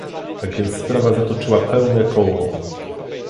Tak więc sprawa zatoczyła pełne koło